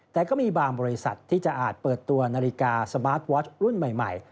แต่ก็มีบางบริษัทที่จะอาจเปิดตัวนาฬิกาสมาร์ทวอชรุ่นใหม่